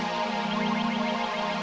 rika lagi di jalan kakak